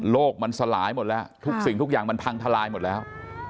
มันสลายหมดแล้วทุกสิ่งทุกอย่างมันพังทลายหมดแล้ว